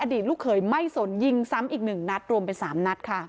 ลูกเขยไม่สนยิงซ้ำอีก๑นัดรวมเป็น๓นัดค่ะ